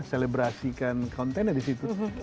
selebrasikan kontennya di situ